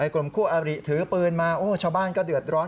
กลุ่มคู่อาริถือปืนมาโอ้ชาวบ้านก็เดือดร้อน